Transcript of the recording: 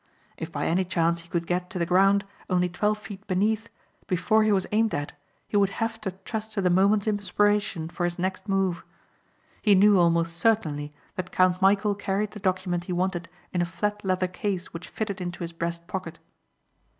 If by any chance he could get to the ground, only twelve feet beneath, before he was aimed at he would have to trust to the moment's inspiration for his next move. He knew almost certainly that Count Michæl carried the document he wanted in a flat leather case which fitted into his breast pocket.